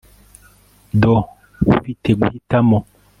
do ufite guhitamo